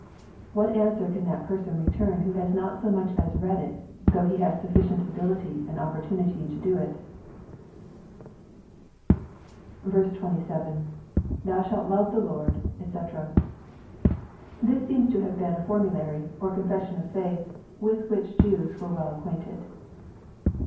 What answer can that person ^ return who has not so much as read it, though he has sufficient ability and opportunity to do it ?" 27. — [Thou shaU hve the Lord, dbc] This seems to have been a formulary or confession of faith with which Jews were well ac quainted.